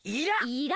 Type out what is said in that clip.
「いら」。